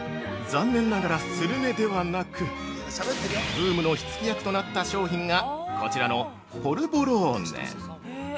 ◆残念ながら、スルメではなくブームの火つけ役となった商品がこちらのポルボローネ。